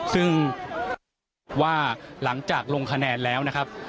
ซึ่งว่าหลังจากลงคะแนนแล้วนะครับ